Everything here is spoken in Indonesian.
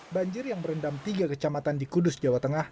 banjir yang merendam tiga kecamatan di kudus jawa tengah